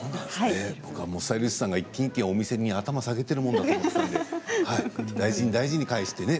僕はもうスタイリストさんが一軒一軒お店に頭を下げているもんだと思っていたので大事に大事に返してね